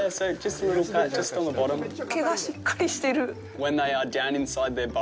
毛がしっかりしてる。